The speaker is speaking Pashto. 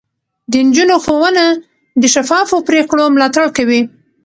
د نجونو ښوونه د شفافو پرېکړو ملاتړ کوي.